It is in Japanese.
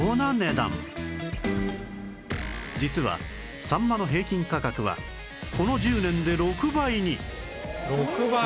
実はサンマの平均価格はこの１０年で６倍に